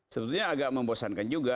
sebetulnya agak membosankan juga